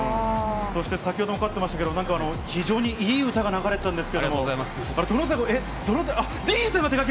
そして先ほどもかかってましたけど、なんか非常にいい歌が流れてたんですけど、どなたが？